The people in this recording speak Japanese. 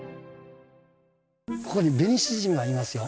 ここにベニシジミがいますよ。